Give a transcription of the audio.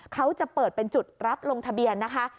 เขาจะเปิดเป็นจุดรับลงทะเบียนนะคะ